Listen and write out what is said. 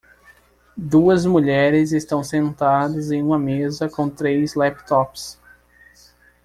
Duas mulheres estão sentadas em uma mesa com três laptops.